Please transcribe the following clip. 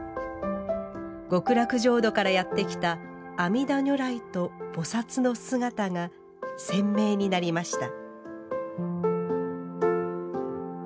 極楽浄土からやってきた阿弥陀如来と菩薩の姿が鮮明になりました。